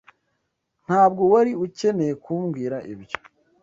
Ntabwo wari ukeneye kumbwira ibyo.